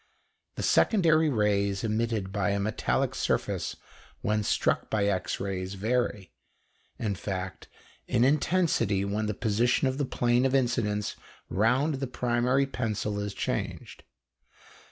The secondary rays emitted by a metallic surface when struck by X rays vary, in fact, in intensity when the position of the plane of incidence round the primary pencil is changed.